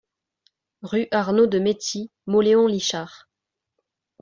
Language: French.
Rue Arnaud de Maytie, Mauléon-Licharre